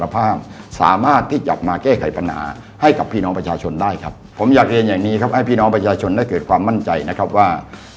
ผมอยากเรียนอย่างนี้ครับให้พี่น้องประชาชนได้เกิดความมั่นใจนะครับว่า